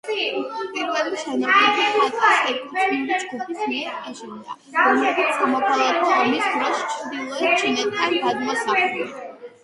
პირველი შენობები ჰაკას ეთნიკური ჯგუფის მიერ აშენდა, რომლებიც სამოქალაქო ომის დროს ჩრდილოეთ ჩინეთიდან გადმოსახლდნენ.